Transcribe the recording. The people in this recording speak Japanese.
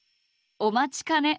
お待ちかね！